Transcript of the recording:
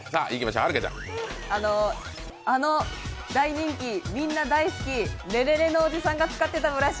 あの大人気、みんな大好き、レレレのおじさんが使ってたブラシ？